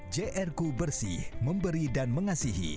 jrku bersih memberi dan mengasihi